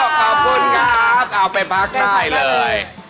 ขอบคุณครับเอาไปพักได้เลย